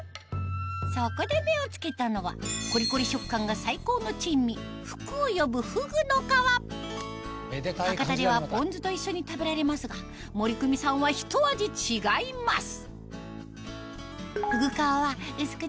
そこで目を付けたのはコリコリ食感が最高の珍味福を呼ぶふぐの皮博多ではポン酢と一緒に食べられますが森クミさんはひと味違います